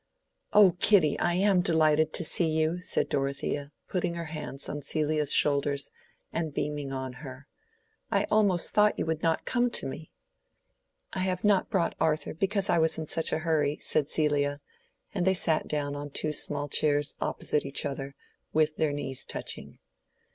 "O Kitty, I am delighted to see you!" said Dorothea, putting her hands on Celia's shoulders, and beaming on her. "I almost thought you would not come to me." "I have not brought Arthur, because I was in a hurry," said Celia, and they sat down on two small chairs opposite each other, with their knees touching.